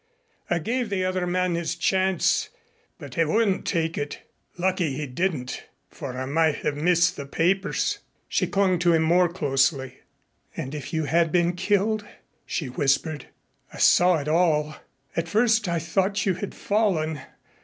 I gave the other man his chance, but he wouldn't take it. Lucky he didn't, for I might have missed the papers." She clung to him more closely. "And if you had been killed?" she whispered. "I saw it all. At first I thought you had fallen.